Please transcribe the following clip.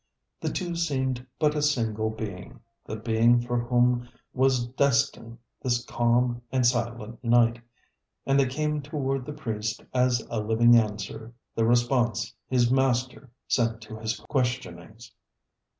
The two seemed but a single being, the being for whom was destined this calm and silent night, and they came toward the priest as a living answer, the response his Master sent to his questionings.